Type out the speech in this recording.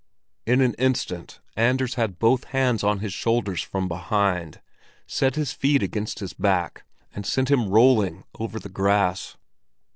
In an instant Anders had both hands on his shoulders from behind, set his feet against his back, and sent him rolling over the grass.